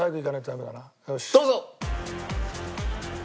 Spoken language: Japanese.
どうぞ！